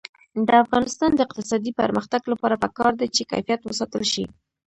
د افغانستان د اقتصادي پرمختګ لپاره پکار ده چې کیفیت وساتل شي.